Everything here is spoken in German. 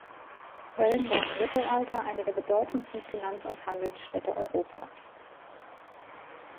Köln war im Mittelalter eine der bedeutendsten Finanz- und Handelsstädte Europas.